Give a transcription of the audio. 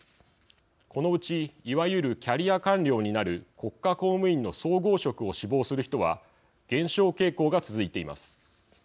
このうちいわゆるキャリア官僚になる国家公務員の総合職を志望する人は減少傾向が続いています。